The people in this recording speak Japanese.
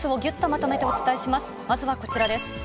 まずはこちらです。